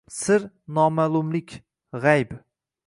Sir – noma’lumlik – g’ayb…